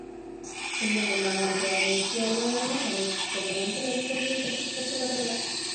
সুন্দরবন বাংলাদেশের আইনে একটি অভয়ারণ্য, সংরক্ষিত বনাঞ্চল এবং পরিবেশগত স্পর্শকাতর এলাকা।